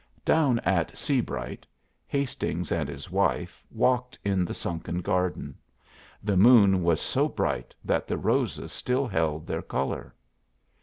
Down at Seabright, Hastings and his wife walked in the sunken garden. The moon was so bright that the roses still held their color.